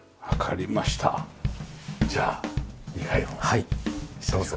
はいどうぞ。